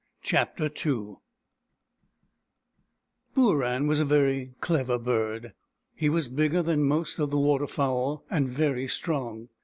Chapter II BooRAN was a very clever bird. He was bigger than most of the water fowl, and very strong.